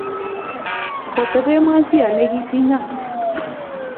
kotebe Mwanzia nekitinyo